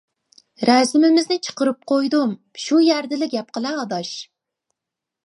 -رەسىمىمىزنى چىقىرىپ قويدۇم، شۇ يەردىلا گەپ قىلە ئاداش.